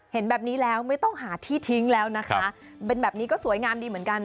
เห็นแบบนี้แล้วไม่ต้องหาที่ทิ้งแล้วนะคะเป็นแบบนี้ก็สวยงามดีเหมือนกัน